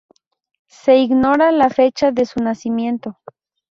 Se ignora la fecha de su nacimiento.